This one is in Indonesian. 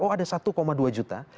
oh ada satu dua juta